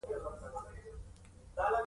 د جګړې پرمهال دې مسئلې ته ډېر پام کېده